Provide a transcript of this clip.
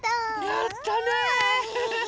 やったね！